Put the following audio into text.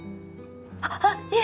あっいえ